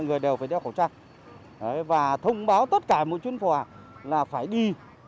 mọi người đều phải đeo khẩu trang và thông báo tất cả mọi chuyến phò là phải đi